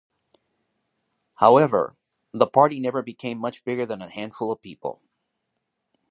However, the party never became much bigger than a handful of people.